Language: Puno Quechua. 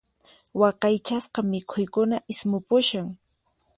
Waqaychasqa mikhuykuna ismupushan.